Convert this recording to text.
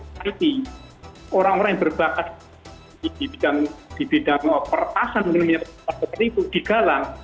orang orang yang berbakat di bidang perpasan di dalam perlindungan seperti itu digalang